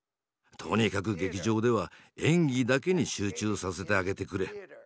とにかく劇場では演技だけに集中させてあげてくれ。